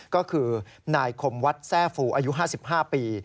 ก็คือนายคมวัดแทร่ฟูอายุ๕๕ปี